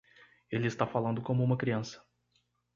Ele está falando como uma criança.